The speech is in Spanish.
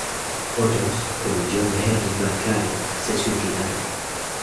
Otros, como John Henry Mackay, se suicidaron.